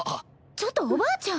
ちょっとおばあちゃん。